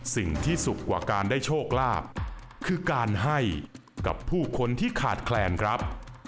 สิ่งที่สุขกว่าการได้โชคลาภคือการให้กับผู้คนที่ขาดแคลนครับ